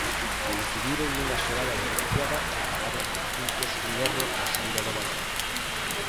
Reincidiron nunha xogada desgraciada e pagaron con puntos un erro na saída do balón.